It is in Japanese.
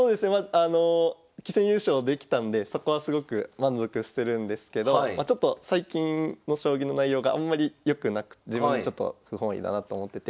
あの棋戦優勝できたんでそこはすごく満足してるんですけどちょっと最近の将棋の内容があんまり良くなく自分でちょっと不本意だなと思ってて。